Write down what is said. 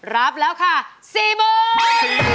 รับแล้วค่ะ๔มือ